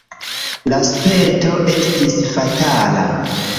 La sperto estis fatala.